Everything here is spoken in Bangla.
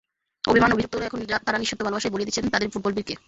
অভিমান, অভিযোগ ভুলে এখন তাঁরা নিঃশর্ত ভালোবাসায় ভরিয়ে দিচ্ছেন তাঁদের ফুটবল-বীরকে।